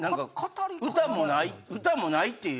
歌もないっていう。